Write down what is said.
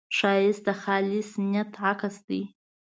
ښایست د خالص نیت عکس دی